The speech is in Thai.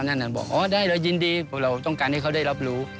นั่นบอกอ๋อได้เลยยินดีพวกเราต้องการให้เขาได้รับรู้